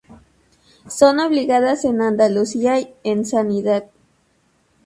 Son obligadas en Andalucía en Sanidad.